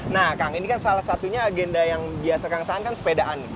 nah kang ini kan salah satunya agenda yang biasa kang saan kan sepedaan